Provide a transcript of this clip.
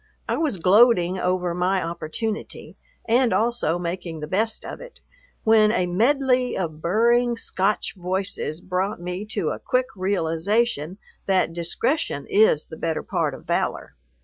I was gloating over my opportunity, and also making the best of it, when a medley of burring Scotch voices brought me to a quick realization that discretion is the better part of valor.